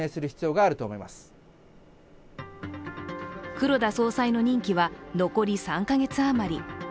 黒田総裁の任期は残り３か月あまり。